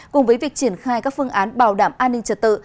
cùng với việc triển khai các phương án bảo đảm an ninh trật tự